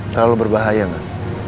terlalu berbahaya gak